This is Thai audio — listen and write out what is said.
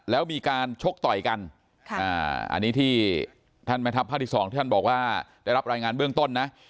แล้วมีการชกต่อยกันอันนี้ที่ท่านแม่ทัพภาคที่๒ที่ท่านบอกว่าได้รับรายงานเบื้องต้นนะ